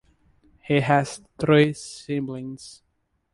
He has three siblings.